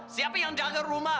siapa yang jaga rumah